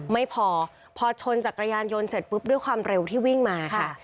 ไม่พอพอชนจักรยานยนต์เสร็จปุ๊บด้วยความเร็วที่วิ่งมาค่ะ